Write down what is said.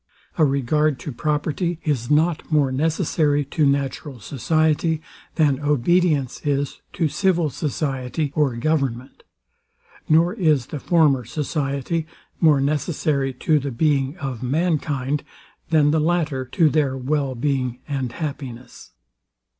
A regard to property is not more necessary to natural society, than obedience is to civil society or government; nor is the former society more necessary to the being of mankind, than the latter to their well being and happiness.